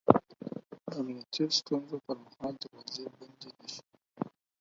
د امنیتي ستونزو پر مهال دروازې بندې نه شي